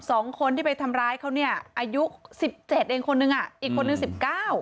สองคนที่ทำร้ายเขาอายุ๑๗คนอีกคนอีก๑๙